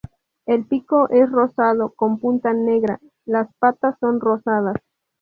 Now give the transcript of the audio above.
El pico es rosado con punta negra; las patas son rosadas.